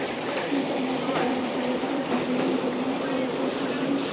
دا د انرژۍ اړوند مسایلو په اړه د نړیوالو تړونونو خبرې اترې شاملوي